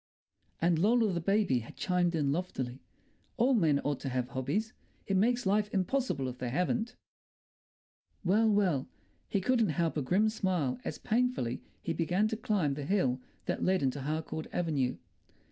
And Lola the baby had chimed in loftily, "All men ought to have hobbies. It makes life impossible if they haven't." Well, well! He couldn't help a grim smile as painfully he began to climb the hill that led into Harcourt Avenue.